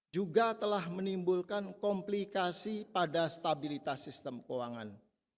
juga telah menimbulkan komplikasi pada stabilitas sistem keuangan